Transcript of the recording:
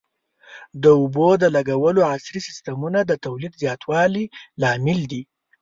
د اوبو د لګولو عصري سیستمونه د تولید زیاتوالي لامل دي.